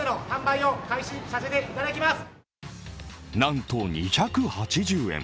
なんと、２８０円。